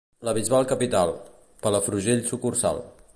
La Bisbal capital, Palafrugell sucursal.